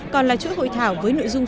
còn là chỗ hội thảo với nội dung